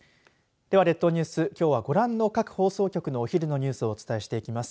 では列島ニュースきょうはご覧の各放送局のお昼のニュースをお伝えしていきます。